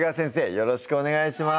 よろしくお願いします